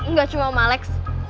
gak cuma pak alex